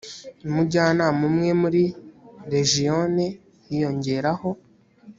umujyanama umwe muri r gion hiyongeraho